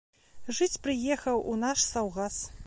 Жыць прыехаў у наш саўгас.